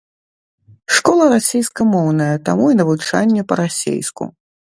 Школа расейскамоўная, таму і навучанне па-расейску.